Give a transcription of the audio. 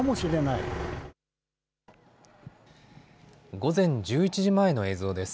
午前１１時前の映像です。